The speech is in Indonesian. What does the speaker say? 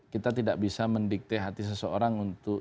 kita tidak bisa mendikte hati seseorang untuk